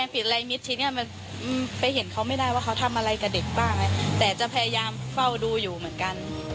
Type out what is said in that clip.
พี่เห็นเขามั๊ยได้ว่าเขาทำอะไรกับเด็กบ้างแต่จะพยายามเฝ้าดูอยู่เหมือนกัน